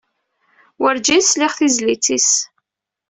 Werǧin sliɣ i tezlit-is.